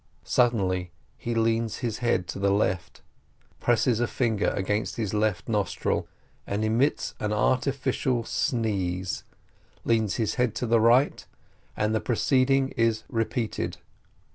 Suddenly he leans his head to the left, presses a finger against his left nostril, and emits an artificial sneeze, leans his head to the right, and the proceeding is repeated.